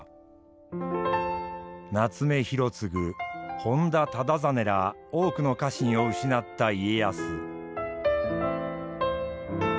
夏目広次本多忠真ら多くの家臣を失った家康。